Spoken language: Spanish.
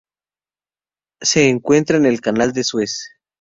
Se encuentran en el Canal de Suez.